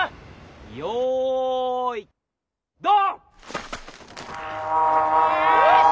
よいドン！